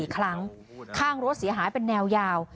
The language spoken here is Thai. ๔ครั้งข้างรถเสียหายเป็นแนวยาว